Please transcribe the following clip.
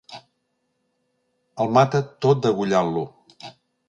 El mata tot degollant-lo.